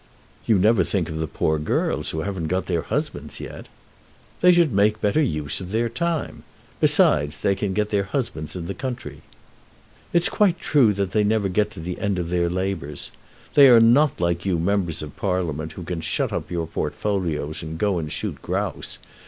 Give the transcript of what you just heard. "You never think of the poor girls who haven't got their husbands yet." "They should make better use of their time. Besides, they can get their husbands in the country." "It's quite true that they never get to the end of their labours. They are not like you members of Parliament who can shut up your portfolios and go and shoot grouse.